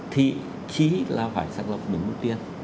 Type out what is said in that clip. thì chỉ là phải xác lập đúng ưu tiên